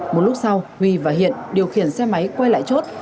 một lúc sau huy và hiện điều khiển xe máy quay lại chốt